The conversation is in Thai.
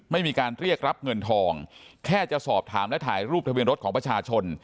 ไม่มีการเรียกรับเงินทองแค่จะสอบถามและถ่ายรูปทะเบียนรถของประชาชน